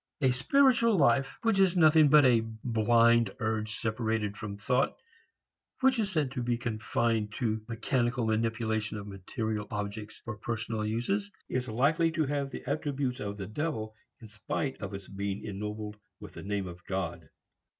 A spiritual life which is nothing but a blind urge separated from thought (which is said to be confined to mechanical manipulation of material objects for personal uses) is likely to have the attributes of the Devil in spite of its being ennobled with the name of God.